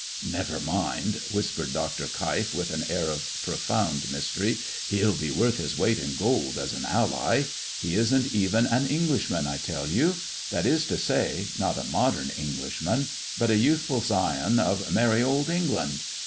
"Never mind," whispered Dr. Keif, with an air of profound mystery. "He'll be worth his weight in gold as an ally. He isn't even an Englishman, I tell you. That is to say, not a modern Englishman, but a youthful scion of merry old England.